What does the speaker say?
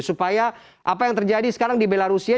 supaya apa yang terjadi sekarang di belarusia